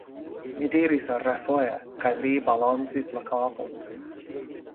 mi diris refoje, kaj li balancis la kapon.